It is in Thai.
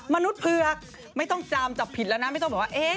มนุษย์เผือกไม่ต้องจามจับผิดแล้วนะไม่ต้องบอกว่าเอ๊ะ